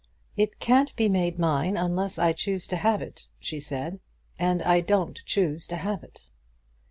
"It can't be made mine unless I choose to have it," she said, "and I don't choose to have it."